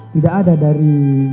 tidak ada dari